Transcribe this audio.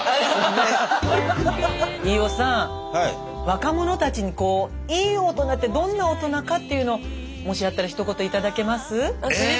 若者たちにこういい大人ってどんな大人かっていうのをもしあったらひと言頂けます？